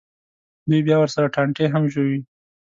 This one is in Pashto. دوی بیا ورسره ټانټې هم ژووي.